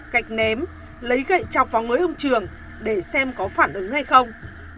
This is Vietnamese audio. gạch ném lấy gậy chọc vào mới ông trường để xem có phản ứng hay không